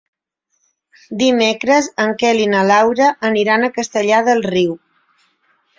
Dimecres en Quel i na Laura aniran a Castellar del Riu.